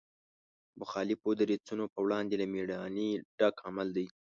د مخالفو دریځونو په وړاندې له مېړانې ډک عمل دی.